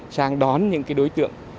sang đón những cái đối tượng